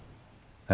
え？